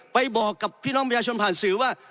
ไปบอกกับพี่น้องประชาชนผ่านสื่อว่า